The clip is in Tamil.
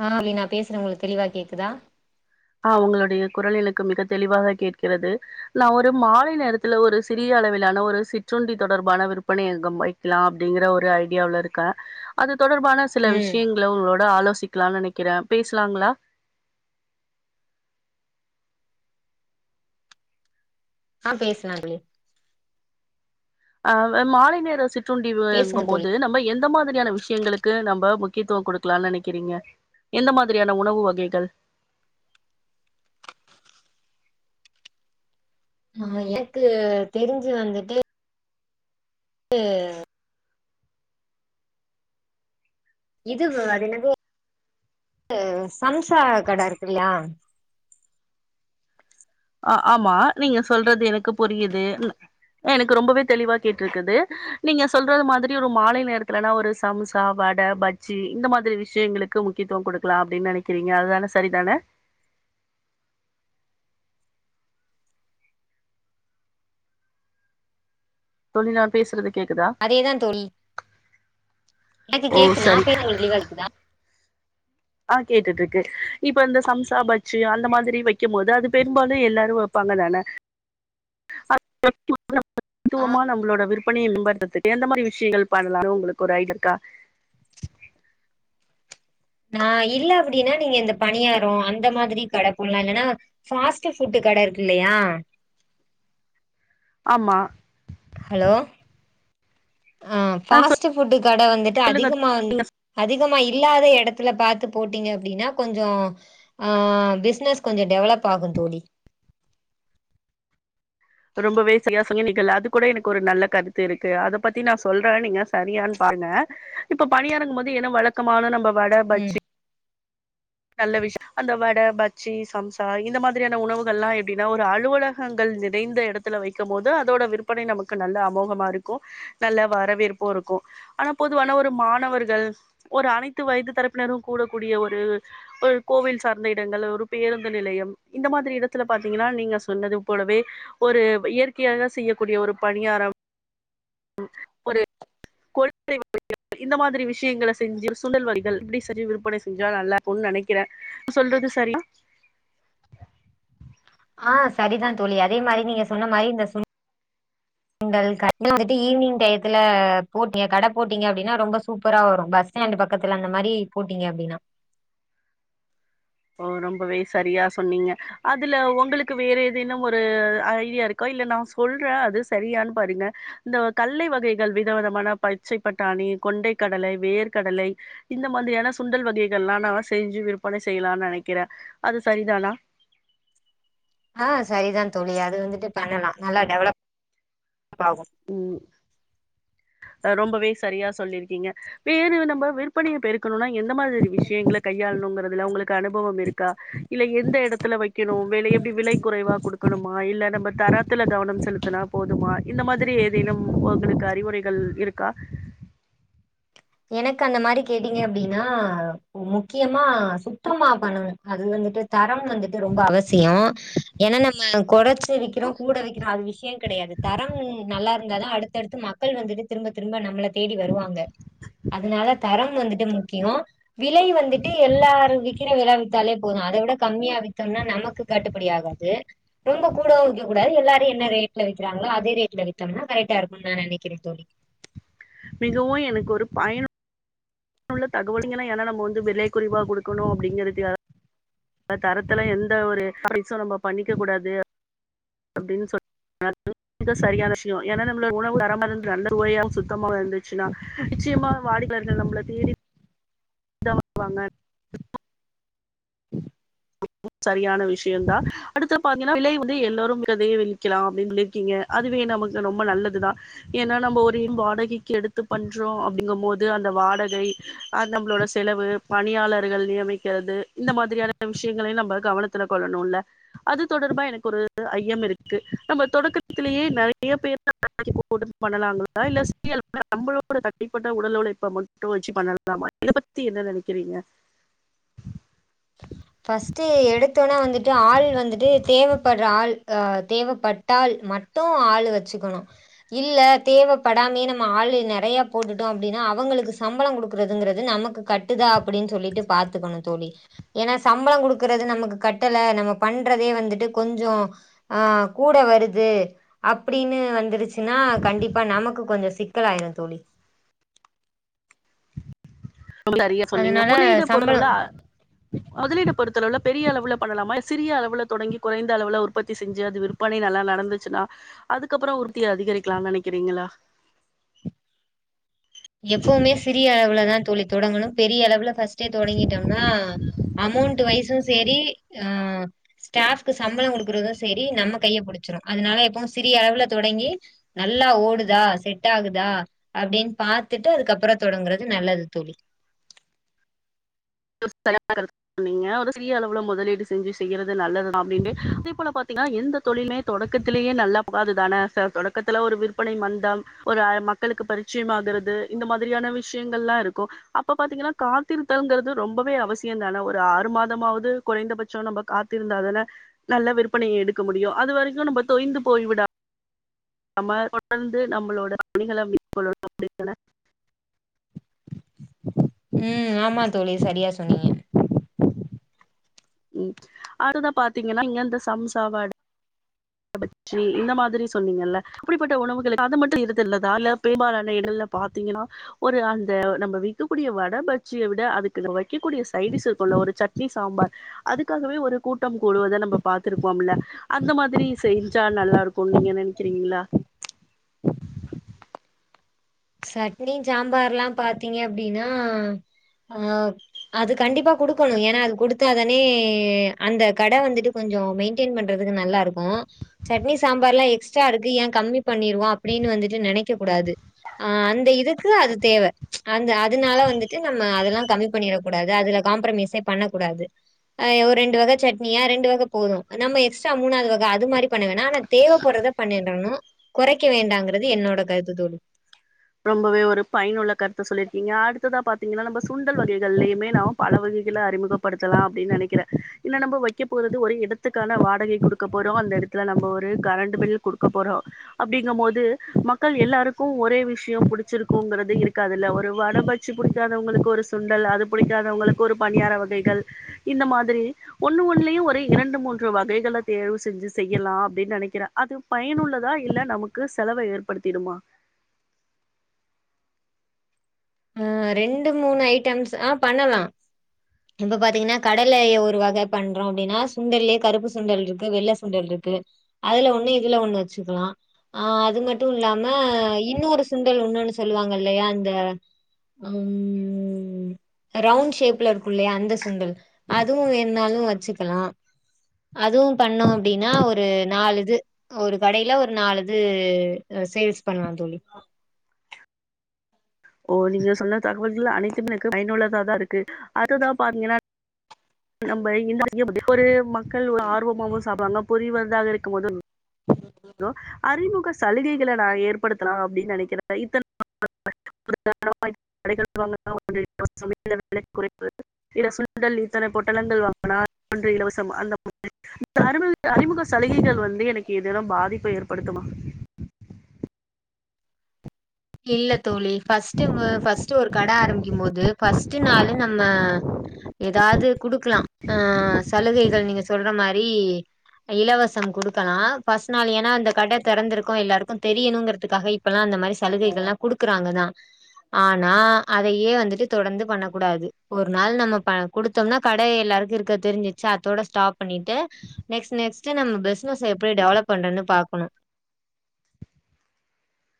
ஆ தோழி நா பேசுறது உங்களுக்கு தெளிவா கேக்குதா ஆ உங்களுடைய குரல் எனக்கு மிகத் தெளிவாக கேட்கிறது நா ஒரு மாலை நேரத்துல ஒரு சிறிய அளவிலான ஒரு சிற்றுண்டி தொடர்பான விற்பனை அங்கம் வைக் க்கலா அப்டிங்கிற ஒரு ஐடியாவ்ல இருக்கே அது தொடர்பான சில ம் விஷ்யங்கள உங்களோட ஆலோசிக்கலான் நெனைக்கிறே பேசலாங்களா ஆ பேசலா தோழி ஆ அ மாலை நேர பேசுங்க சிற்றுண்டிங்கும் தோழி போது நம்ப எந்த மாதிரியான விஷ் யங்களுக்கு நம்ப முக்கியத்துவ குடுக்கலானு நெனைக்கிறீங்க எந்த மாதிரியான உணவு வகைகள் ஆ எனக்கு தெரிஞ்சு வந்துட்டு அ இதுவ் அது என்னது அ சம்சா கட இருக்குல்ல அ ஆமா நீங்க சொல்றது எனக்கு புரியுது ம் எனக்கு ரொம்பவே தெளிவா கேட்ருக்குது நீங்க சொல்றது மாதிரி ஒரு மாலை நேரத்துலலா ஒரு சம்சா வட பஜ்ஜி இந்த மாதிரி விஷயங்களுக்கு முக்கியத்துவ குடுக்கலா அப்டின் நெனைக்கிறீங்க அதுதான சரிதான தோழி நா பேசுறது கேக்குதா அதேதா தோழி எனக்கு ஓ கேக்குது நா சரி பேசுறது உங்களுக்கு க்ளியரா கேக்க்குதா ஆ கேட்டுட்ருக்கு இப்ப இந்த சம்சா பஜ்ஜி அந்த மாதிரி வைக்கும் போது அது பெரும்பாலு எல்லாரு வ ப்பாங்க தான அ ஆ [unintelligible] நம்ளோட விருப் [unintelligible] எந்த மாரி விஷ்யங்கள் பண்ணலானு உங்களுக்கு ஒரு ஐட் இருக்கா நா இல்ல அப்டின்னா நீங்க இந்த பணியாரோ அந்த மாதிரி கட போட்லா இல்லன்னா ஃபாஸ்ட் ஃபுட்டு் கட இருக்கு இல்லயா ஆமா ஹலோ அ ஆ ஃபாஸ்ட் ஃபுட்டு கட வந்துட்டு சொல்லுங்க அதிகமா வந் நீங்க அதிகமா இல்லாத எடத்துல பாத்து போட்டீங்க அப்டின்னா கொஞ்சோ ஆ பிஸ்னஸ் கொஞ்சோ டெவலப் ஆகு தோழி ரொம்பவே செரியா சொன்னீங்களா அது கூட எனக்கு ஒரு நல்ல கருத்து இருக்கு அத பத்தி நா சொல்றே நீங்க சரியான்னு பாருங்க இப்ப பணியாரங்கும்போது ஏனா வழக்கமான நம்ப வட ம் பஜ்ஜி நல்ல விஷ் அந்த வட பஜ்ஜூ சம்சா இந்த மாதிரியான உணவுகள்ல்லா எப்டின்னா ஒரு அலுவல கங்கள் நிறைந்த எடத்துல வைக்கும் போது அதோட விற்பனை நமக்கு நல்ல அமோகமா இருக்கு நல்ல வரவேற்பூ இருக்கு ஆனா பொதுவான ஒரு மாணவர்கள் ஒரு அனைத்து வயது தரப்பினரு கூடக்கூடிய ஒரு ஒரு கோவில் சார்ந்த இடங்கள் ஒரு பேருந்து நிலையம் இந்த மாதிரி இடத்துல பாத்தீங்கன்னா நீங்க சொன்னது போலவே ஒரு இயற்கையாக செய்யக்கூடிய ஒரு பணியாரம் ஒரு கொழு [unintelligible] இந்த மாதிரி விஷயங்கள செஞ்சு சுண்டல் வகைகள் இப்டி செஞ்சு விற்பன செஞ்சா நல்ல க்குன் நெனைக்கிறே சொல்றது சரியா ஆ சரிதா தோழி அதே மாரி நீங்க சொன்ன மாரி இந்த சுண் டல் கட வந்து ஈவினிங் டயத்துல போட்டீங்க கட போட்டீங்க அப்டின்னா ரொம்ப சூப்பரா வரு பஸ் ஸ்டாண்டு பக்கத்துல அந்த மாரி போட்டீங்க அப்டினா ஓ ரொம்பவே சரியா சொன்னீங்க அதுல ஒங்களுக்கு வேற ஏதேனும் ஒரு ஐடியா இருக் கா இல்ல நா சொல்றே அது சரியான் பாருங்க இந்த கல்லை வகைகள் வித விதமான ப ச்சை பட்டாணி கொண்டை கடலை வேர்க்கடலை இந்த மாதிரியான சுண்டல் வகைகள் எல்லா நா செஞ்சு விற்பனை செய்யலான் நெனைக்கிறே அது சரிதானா அ சரிதான் தோழி அது வந்துட்டு பண்ணலா நல்லா டெவலப் ஆகு உம் ரொம்பவே சரியா சொல்லீருக்கீங்க வேறு நம்ப விற்பனைய பெருக்கணுனா எந்த மாதிரி விஷயங்கள கையாளணுங்கறதுல உங்களுக்கு அனுபவம் இருக்கா இல்ல எந்த எடத்துல வைக்கணு வெல எப்டி விலை குறைவா குடுக்கணுமா இல்ல நம்ம தரத்துல கவனம் செலுத்துனா போதுமா இந்த மாதிரி ஏதேனும் ஒங்களுக்கு அறிவுரைகள் இருக்கா எனக்கு அந்த மாரி கேட்டீங்க அப்டின்னா முக்கியமா சுத்தமா பண்ணுவே அது வந்துட்டு தரம் வந்துட்டு ரொம்ப அவசியோ ஏன்னா நம்ம கொறச்சு விக்கிறோ கூட வைக்கிறோ அது விஷ்யோ கெடையாது தரம் நல்லா இருந்தாதா அடுத்தடுத்து மக்கள் வந்துட்டு திரும்ப திரும்ப நம்மள தேடி வருவாங்க அதனால தரம் வந்துட்டு முக்கியோ விலை வந்துட்டு எல்லாரு விக்கிற வில வித்தாலே போது அத விட கம்மியா வித்தம்னா நமக்கு கட்டுப்படி ஆகாது ரொம்ப கூடவு விக்க கூடாது எல்லாரு என்ன ரேட்ல விக்கிறாங்ளோ அதே ரேட்ல வித்தம்னா கரெக்டா இருக்குன் நா நெனைக்கிற தோழி மிகவு எனக்கு ஒரு பயனு னுள்ள தகவல் [unintelligible] ஏன்னா நம்ம வந்து விலை குறைவா குடுக்கணு அப்டிங்கறதுக்கா க தரத்துல எந்த ஒரு கமிட்ஸு நம்ப பண்ணிக்க கூடாது அப்டின் சொல் [unintelligible] சரியான விஷ்யோ ஏன்னா நம்மளோ உணவு தரமா இருந்து நல்ல சுவையாவும் சுத்தமாவும் இருந்துச்சின்னா நிச்சயமா வாடிக்கையாளர் நம்மளை தேடி டவக் வாங்க சரியான விஷ்யுன்தா அடுத்து பாத்தீனா பிலை வந்து எல்லோரும் கதையை விளிக்கலாம் அப்டின் லிர்க்கீங்க அதுவே நமக்கு ரொம்ப நல்லது தா ஏன்னா நம்ப் ஒரேம் வாடகைக்கி எடுத்து பண்றோ அப்டிங்கும்போது அந்த வாடகை அந் நம்ளோட செலவு பணியாளர்கள் நியமிக்கிறது இந்த மாதிரியான விஷயங்களை நம்ப கவனத்துல கொள்ளணுல்ல அது தொடர்பா எனக் ஒரு ஐயம் இருக்கு நம்ம தொடக்கத்திலேயே நறையா பேர் [inaudible] போட்டு பண்ணலாங்களா இல்ல சியல் நம்மளோட தனிப்பட்ட உடல் உழைப்ப மட்டு வச்சி பண்ணலாமா இத பத்தி என்ன நெனக்கிறீங்க ஃபஸ்ட்டு எடுத்தோனே வந்துட்டு ஆள் வந்துட்டு தேவப்பட்ற ஆள் ஆ தேவப்பட்டால் மட் ட்டு ஆள் வச்சிக்கணு இல்ல தேவப்படாமே நம்ம ஆளு நெறையா போட்டுட்டோ அப்டின்னா அவங்களுக்கு சம்பளங் கொடுக்றதுங்குறது நமக்கு கட்டுதா அப்படின் சொல்லிட்டு பாத்துக்கணு தோழி ஏனா சம்பளங் குடுக்குறது நமக்கு கட்டல நம்ம பண்றதே வந்துட்டு கொஞ்சோ ஆ கூட வருது அப்டின்னு வந்துருச்சு ன்னா கண்டிப்பா நமக்கு கொஞ்சோ சிக்கலாய்ரு தோழி தரியா சொன்னீங்க அதனால முதலீடு சம்பள பொருளுளா முதலீடு பொறுத்தளவ்ல பெரிய அளவுல பண்ணலாமா இ சிறிய அளவுல தொடங்கி குறைந்த அளவுல உற்பத்தி செஞ்சி அது விருப் பணி நல்லா நடந்துச்சுன்னா அதுக்கப்றோ உற்த்தி அதிகரிக்கலான் நெனக்கிறீங்களா எப்போமே சிறிய அளவுலதா தோழி தொடங்கணு பெரிய அளவுல ஃபஸ்ட்டே தொடங்கிட்டோனா அமௌண்ட வய்சு சேரி ஆ ஸ்டாஃப்க்கு சம்பளோ குடுக்குறது செரி நம்ம கைய புடிச்சிரு அதனால எப்பவு சிறிய அளவுல தொடங்கி நல்லா ஓடுதா செட் ஆகுதா அப்டின் பாத் த்துட்டு அதுக்கப்றோ தொடங்குறது நல்லது தோழி [unintelligible] நீங்க ஒரு சிறிய அளவுல முதலீடு செஞ்சி செய்யறது நல்லது தா அப்டின்டு அதேப்போல பாத்தீங்கா எந்தத் தொழிலுமே தொடக்கத்திலேயே நல்லா புகாது தானே சா தொடக்கத்துல ஒரு விற்பனை மந்தம் ஒரு ஆலமா க்களுக்கு பரிச்சயமாகுறது இந்த மாதிரியான விஷயங்கள்லா இருக்கு அப்ப பாத்தீங்கன்னா காத்திருத்தல்ங்கறது ரொம்பவே அவசியன்தான ஒரு ஆறு மாதமாவது குறைந்தபச்சோ நம்ம காத்திருந்தா தன நல்ல விற்பனைய எடுக்க முடியு அது வரைக்கு நம்ம தொய்ந்து போய்விடா நம்ம தொடந்து நம்மளோட பணிகள மேகொள் அப்டிதான ம் ஆமா தோழி சரியா சொன்னீங்க ம் அதுதா பாத்தீங்கன்னா இங்க அந்த சம்சாவாட் கபச்சி இந்த மாதிரி சொன்னீங்கல்ல அப்டிப்பட்ட உணவுகள் அது மட்டு இருத் இல்லதால்ல பெம்பாலான இடல்ல பாத்தீங்கனா ஒரு அந்த நம்ம வி்க்கக்கூடிய வட பச்சிய விட அதுக்கங்கு வக்கிக்கூடிய சைடிஸ்ஸு தொல்ல ஒரு சட்னி சாம்பார் அதுக்காகவே ஒரு கூட்டம் கூடுவது நம்ப பாத்துருப்போம்மில்ல அந்த மாதிரி செய்ன்ஜா நல்லார்க்கு நீங்க நென்க்கிறீங்ளா சட்னி சாம்பார்லா பாத்தீங்க அப்டின்னா ஆவ் அது கண்டிப்பா குடுக்கணு ஏன்னா அது குடுத்தா தானே அந்த கட வந்துட்டு கொஞ்சோ மெய்ன்டெய்ன் பண்றதுக்கு நல்லா இருக்கு சட்னி சாம்பார்லா எக்ஸ்ட்ரா இருக்கு ஏ கம்மி பண்ணிர்வோ அப்டின்னு வந்துட்டு நெனைக்க கூடாது ஆ அந்த இதுக்கு அது தேவ அந்த அதனால வந்துட்டு நம்ம அதெல்லா கம்மி பண்ணிரக்கூடாது அதுல காம்ப்ரமிஸ் ஏ பண்ணக்கூடாது ஆ எவ் ரெண்டு வக சட்னியா ரெண்டு வக போது நம்ம எக்ஸ்ட்ரா மூணாது வக அது மாரி பண்ண வேணா ஆனா தேவப்படுத பண்ணிடனும் குறைக்க வேண்டாங்கிறது என்னோட கருத்து தோழி ரொம்பவே ஒரு பயனுள்ள கருத்த சொல்லியிருக்கீங்க அடுத் அடுத்ததா பாத்தீங்கன்னா நம்ம சுண்டல் வகைகள்லையுமே நாம் பல வகைகளை அறிமுகப்படுத்தலா ஆப்டின்னு நெனைக்கிறேன் இல்ல நம்ம வைக்க போறது ஒரு இடத் இத்துக்கான வாடகை கொடுக்க போறோம் அந்த இடத்துல நம்ம ஒரு கரண்ட் பில் குடுக்க போறோம் அப்டிங்கும் போது மக்கள் எல்லாருக்கும் ஒரே விஷ் பிடிச்சிருக்கும்ங்கிறது இருக்காதுல்ல ஒரு வட பச்சி பிடிக்காதவங்களுக்கு ஒரு சுண்டல் அது பிடிக்காதவங்களுக்கு ஒரு பணியார வகைகள் இந்த மாதிரி ஒண்ணு ஒண்ணுளியும் ஒரு இரண்டு மூன்று வகைகளை தேர்வு செஞ்சு செய்யலாம் அப்டின்னு நினைக்கிறேன் அது பயனுள்ளதா இல்ல நமக்கு செலவை ஏற்படுத்திடுமா ஆ ரெண்டு மூணு ஐட்டம்ஸ் ஆ பண்ணலாம் இப்ப பாத்தீங்கன்னா கடலைய ஒரு வகை பண்றோம் அப்டின்னா சுண்டல்லயே கருப்பு சுண்டல் இருக்கு வெள்ளை சுண்டல் இருக்கு அதுல ஒண்ணு இதுல ஒண்ணு வச்சுக்கலாம் ஆ அது மட்டும் இல்லாம இன்னொரு சுண்டல் ஒண்ணுன்னு சொல்லுவாங்க இல்லையா அந்த அ ம் ரவுண்ட் ஷேப்ல இருக்கும்ல்லையா அந்த சுண்டல் அதுவும் வேனுனாலும் வச்சுக்கலாம் அதுவும் பண்ணோம் அப்டின்னா ஒரு நாலுது ஒரு கடையில ஒரு நாலது சேல்ஸ் பண்ணலாம் தோழி ஓ நீங்க சொன்ன தகவல்கள் அனைத்தம் எனக்கு பயனுள்ளதாதான் இருக்கு அதுதான் பாத்தீங்கன்னா நம்ம இந்த அரிசி பிஃபோர்ரு மக்கள் ஒரு ஆர்வமாவவும் சாப்பறாங்க புரிவதாக இருக்கும் போதும் [inaudible] லோ அறிமுக சலுகைகளை நான் ஏற்படுத்தலாம் அப்டின்னு நினைக்கிறேன் இத்தன நாளா [inaudible] இல சுண்டல் இத்தன பொட்டலங்கள் வாங்கனால் ஒன்று இலவசம் அந்த மேரி இந்த அறி அறிமுக சலுகைகள் வந்து எனக்கு எதென்னா பாதிப்பை ஏற்படுத்துமா இல்ல தோழி ஃபர்ஸ்ட் ஃபஸ்ட் ஒரு கடை ஆரம்பிக்கும் போது ஃபர்ஸ்ட்ட நாலும் நம்ம ஏதாது குடுக்கலா ஆ சலுகைகள் நீங்க சொல்ற மா ரி இலவசம் கொடுக்கலாம் ஃபர்ஸ்ட் நாள் ஏன்னா அந்த கடை திறந்திருக்கும் எல்லாருக்கும் தெரியணுங்கறதுக்காக இப்பெல்லாம் அந்த மாரி சலுகைகள்ல்லாம் குடுக்குறாங்க தான் ஆனா அதையே வந்துட்டு தொடர்ந்து பண்ண கூடாது ஒரு நாள் நம்ம ப குடுத்தோம்னா கடை எல்லாருக்கும் இருக்க தெரிஞ்சிச்சு அதோட ஸ்டாப் பண்ணிட்டு நெக்ஸ்ட்நெக்ஸ்ட் நம பிசினஸ் எப்டி டெவலப் பண்றதுனு பாக்கணும்